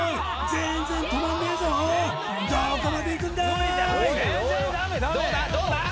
全然止まんねえぞどこまで行くんだー！